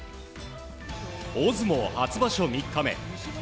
大相撲初場所３日目。